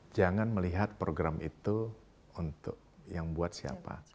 jangan melihat program itu untuk yang buat siapa